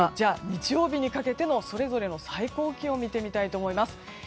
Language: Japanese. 日曜日にかけてのそれぞれの最高気温を見てみたいと思います。